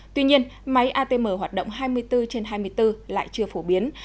tuy nhiên máy atm hoạt động hai mươi bốn trên hai mươi bốn lại chưa phổ biến